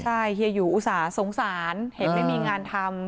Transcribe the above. ใช่เฮียหยูอุตส่าห์สงสารเห็นไม่มีงานทำ